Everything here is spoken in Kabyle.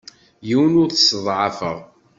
Yiwen ur t-sseḍɛafeɣ.